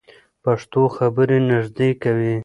پښتو خبرې نږدې کوي.